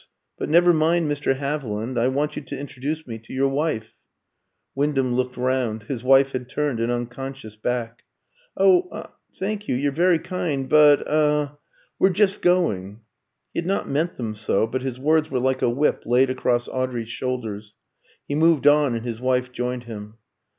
But never mind Mr. Haviland; I want you to introduce me to your wife." Wyndham looked round; his wife had turned an unconscious back. "Oh er thank you, you're very kind, but er we're just going." He had not meant them so, but his words were like a whip laid across Audrey's shoulders. He moved on, and his wife joined him.